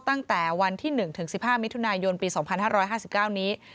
ตั้งแต่วันที่๑ถึง๑๕มิถุนายนปี๒๕๕๙นี้